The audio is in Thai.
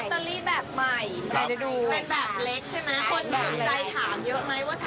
คุณแม่ตอบว่าประหยัดกระดาษค่ะ